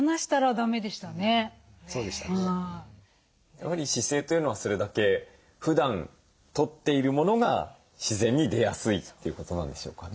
やはり姿勢というのはそれだけふだんとっているものが自然に出やすいということなんでしょうかね？